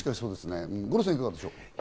五郎さん、いかがでしょう？